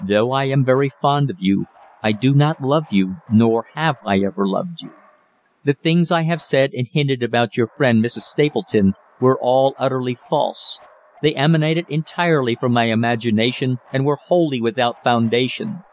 Though I am very fond of you, I do not love you, nor have I ever loved you. The things I have said and hinted about your friend Mrs. Stapleton were all utterly false; they emanated entirely from my imagination and were wholly without foundation.